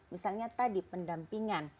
misalnya tadi pendampingan